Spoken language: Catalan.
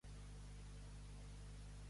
Dur de cascos.